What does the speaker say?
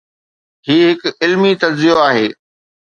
هي هڪ علمي تجزيو آهي.